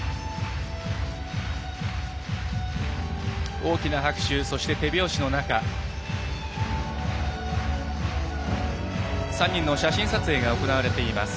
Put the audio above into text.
大きな拍手そして手拍子の中３人の写真撮影が行われています。